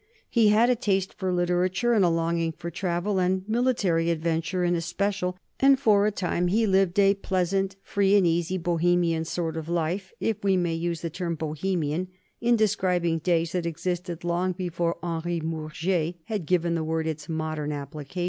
He had a taste for literature and a longing for travel and military adventure in especial, and for a time he lived a pleasant, free and easy, Bohemian sort of life, if we may use the term Bohemian in describing days that existed long before Henri Murger had given the word its modern application.